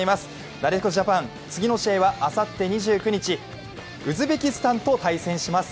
なでしこジャパン、次の試合はあさって２９日ウズベキスタンと対戦します。